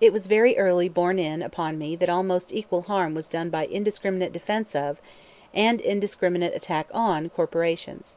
It was very early borne in upon me that almost equal harm was done by indiscriminate defense of, and indiscriminate attack on, corporations.